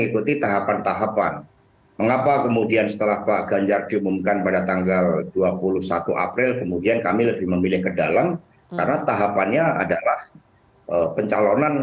kita harus jeda terlebih dahulu